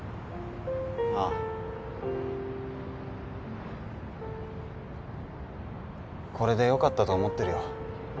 ああこれでよかったと思ってるよ